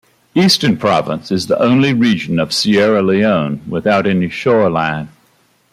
Eastern Province is the only region of Sierra Leone without any shoreline.